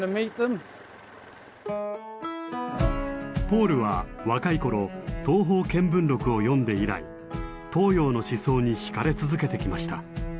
ポールは若い頃「東方見聞録」を読んで以来東洋の思想に引かれ続けてきました。